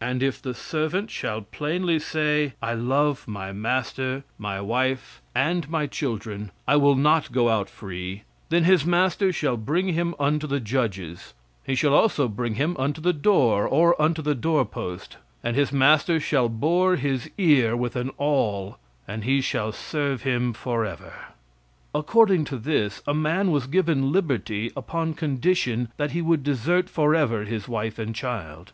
And if the servant shall plainly say, I love my master, my wife and my children; I will not go out free; then his master shall bring him unto the judges: he shall also bring him unto the door, or unto the doorpost; and his Master shall bore his ear with an awl; and he shall serve him forever." According to this, a man was given liberty upon condition that he would desert forever his wife and children.